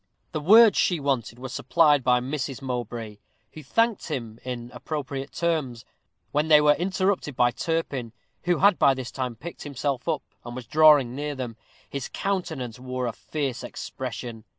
The words she wanted were supplied by Mrs. Mowbray, who thanked him in appropriate terms, when they were interrupted by Turpin, who had by this time picked himself up, and was drawing near them. His countenance wore a fierce expression.